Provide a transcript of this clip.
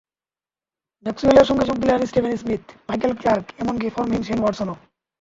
ম্যাক্সওয়েলের সঙ্গে যোগ দিলেন স্টিভেন স্মিথ, মাইকেল ক্লার্ক এমনকি ফর্মহীন শেন ওয়াটসনও।